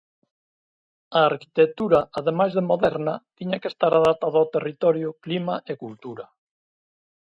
A arquitectura ademais de "moderna" tiña que estar adaptada ao territorio, clima e cultura.